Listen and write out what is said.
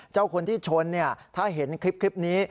เจ้าคนที่ชนถ้าเห็นคลิปนี้